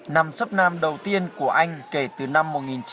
nằm sấp nam đầu tiên của anh kể từ năm một nghìn chín trăm bảy mươi